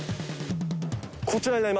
こちらになります。